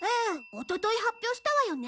おととい発表したわよね。